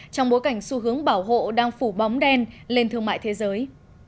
trong bối cảnh xu hướng bảo hộ đang phủ bóng đen lên thương mại thế giới